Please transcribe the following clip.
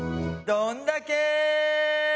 どんだけ！